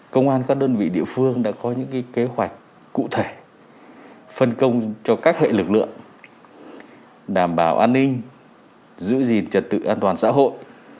công an các đơn vị địa phương đã có những kế hoạch cụ thể phân công cho các hệ lực lượng đảm bảo an ninh giữ gìn trật tự an toàn xã hội